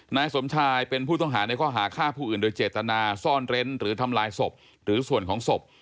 นายสมชายเป็นผู้ต้องหาในข้อหาฆ่าผู้อื่นโดยเจตนาซ่อนเร้นหรือทำลายศพหรือส่วนของศพ